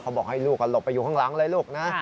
บอกให้ลูกหลบไปอยู่ข้างหลังเลยลูกนะ